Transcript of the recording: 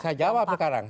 saya jawab sekarang